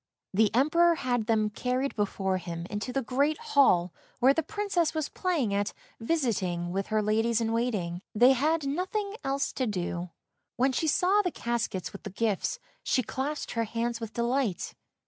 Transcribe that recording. The Emperor had them carried before him into the great Hall where the Princess was playing at " visiting " with her ladies in waiting; they had nothing else to do. When she saw the caskets with the gifts she clapped her hands with delight